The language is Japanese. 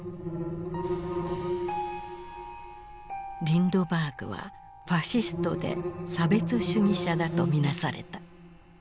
リンドバーグはファシストで差別主義者だと見なされた。